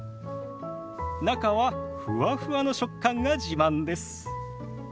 中はふわふわの食感が自慢です。